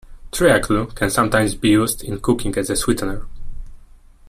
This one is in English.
Treacle can sometimes be used in cooking as a sweetener